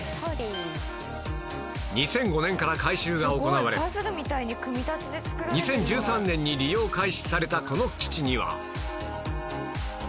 ２００５年から改修が行われ２０１３年に利用開始されたこの基地には